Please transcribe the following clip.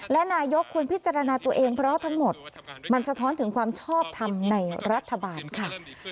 และนายกควรพิจารณาตัวเองเพราะทั้งหมดมันสะท้อนถึงความชอบทำในรัฐบาลค่ะ